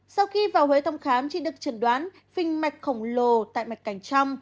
sau khi vào huế thăm khám chị được trần đoán phình mạch khổng lồ tại mạch cành trong